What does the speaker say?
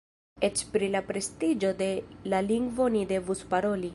Eĉ pri la prestiĝo de la lingvo ni devus paroli.